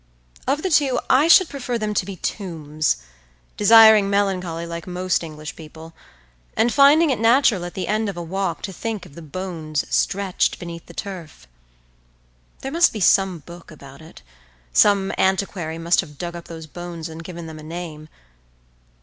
Of the two I should prefer them to be tombs, desiring melancholy like most English people, and finding it natural at the end of a walk to think of the bones stretched beneath the turf.… There must be some book about it. Some antiquary must have dug up those bones and given them a name.